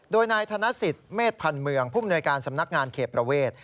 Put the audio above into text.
โดยนายธนสิทธิเมษพันธ์เมืองผู้มนวยการสำนักงานเขตประเวท